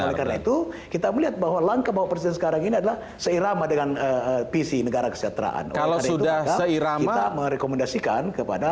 oleh karena itu kita melihat bahwa langkah bapak presiden sekarang ini adalah seirama dengan visi negara kesejahteraan